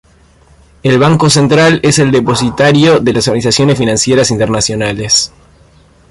El Banco Central es el depositario de las organizaciones financieras internacionales.